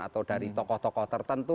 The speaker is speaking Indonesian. atau dari tokoh tokoh tertentu